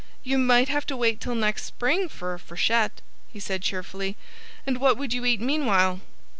"You might have to wait till next spring for a freshet," he said cheerfully. "And what would you eat meanwhile?"